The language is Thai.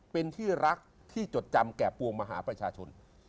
เป็นที่รักที่จดจำแก่ปวงมหาประชาชน